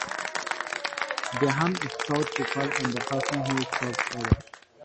The harm is thought to fall on the person who steps over.